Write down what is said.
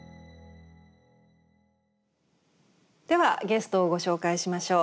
ではゲストをご紹介しましょう。